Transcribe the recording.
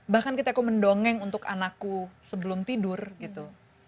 bahkan kita aku mendongeng untuk anakku sebelum tidur gitu